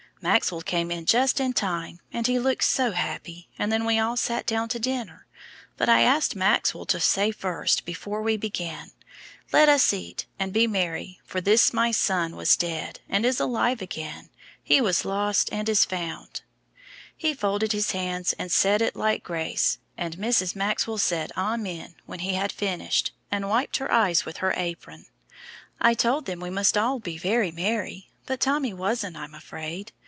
Maxwell came in just in time, and he looked so happy, and then we all sat down to dinner, but I asked Maxwell to say first before we began: 'Let us eat, and be merry, for this my son was dead, and is alive again, he was lost, and is found.' He folded his hands and said it like grace, and Mrs. Maxwell said 'Amen' when he had finished, and wiped her eyes with her apron. I told them we must all be very merry, but Tommy wasn't, I'm afraid.